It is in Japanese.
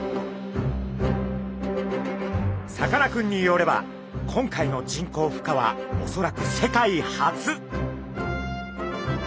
さかなクンによれば今回の人工ふ化はおそらく世界初！